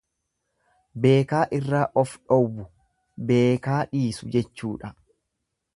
Beekaa irraa of dhoowwu, beekaa dhiisu jechuudha.